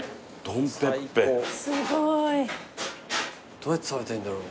どうやって食べたらいいんだろう。